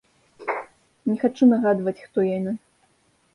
Не хачу нагадваць, хто яны.